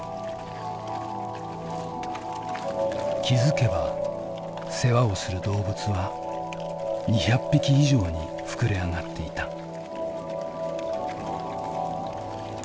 気付けば世話をする動物は２００匹以上に膨れ上がっていた。